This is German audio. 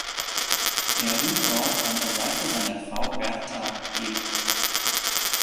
Er ruht dort an der Seite seiner Frau Bertha geb.